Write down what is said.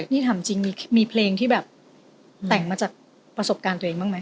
นี่ถามจริงมีเพลงที่แบบแต่งมาจากประสบการณ์ตัวเองบ้างไหม